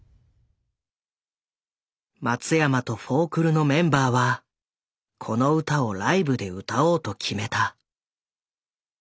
松山とフォークルのメンバーはこの歌をライブで歌おうと決めた。